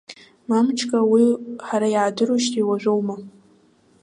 Мамчка, уи ҳара иаадыруеижьҭеи уажәоума?